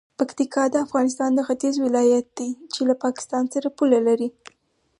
پکتیکا د افغانستان د ختیځ ولایت دی چې له پاکستان سره پوله لري.